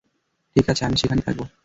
ঠিক আছে, আমি সেখানেই থাকব।